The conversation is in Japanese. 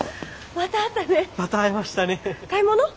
また会いましたね。